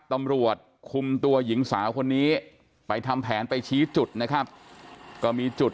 ตำรวจคุมตัวหญิงสาวคนนี้ไปทำแผนไปชี้จุดนะครับก็มีจุด